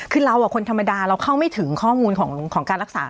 คือเราคนธรรมดาเราเข้าไม่ถึงข้อมูลของการรักษา